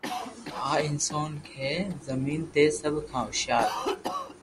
اها انسان کي زمين تي سڀ کان هوشيار